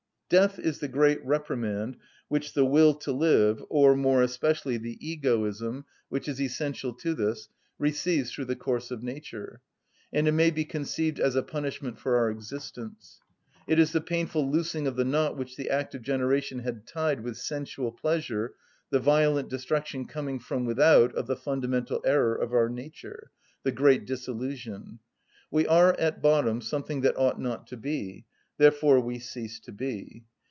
Death is the great reprimand which the will to live, or more especially the egoism, which is essential to this, receives through the course of nature; and it may be conceived as a punishment for our existence.(32) It is the painful loosing of the knot which the act of generation had tied with sensual pleasure, the violent destruction coming from without of the fundamental error of our nature: the great disillusion. We are at bottom something that ought not to be: therefore we cease to be.